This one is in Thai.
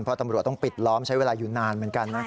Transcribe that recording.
เพราะตำรวจต้องปิดล้อมใช้เวลาอยู่นานเหมือนกันนะครับ